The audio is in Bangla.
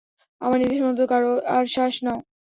আমার নির্দেশমতো করো আর শ্বাস নাও।